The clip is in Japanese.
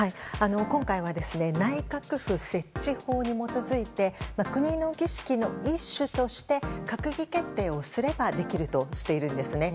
今回はですね内閣府設置法に基づいて国の儀式の一種として閣議決定をすればできるとしているんですね。